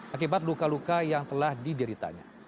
akibat luka luka yang telah dideritanya